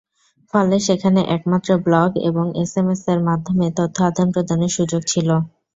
ফলে সেখানে একমাত্র ব্লগ এবং এসএমএসের মাধ্যমে তথ্য আদান-প্রদানের সুযোগ ছিল।